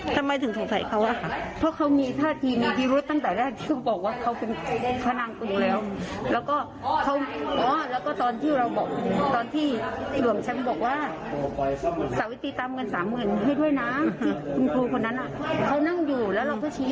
บอกว่าเดี๋ยวเนี่ยโอนแล้วเดี๋ยวโทรโทรดูว่าคุณที่โอนอยู่ไหน